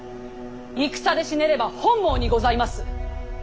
戦で死ねれば本望にございます。